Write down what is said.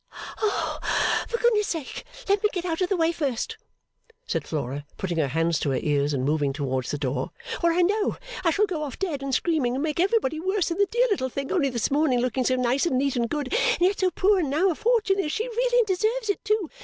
'For gracious sake let me get out of the way first,' said Flora, putting her hands to her ears and moving towards the door, 'or I know I shall go off dead and screaming and make everybody worse, and the dear little thing only this morning looking so nice and neat and good and yet so poor and now a fortune is she really and deserves it too!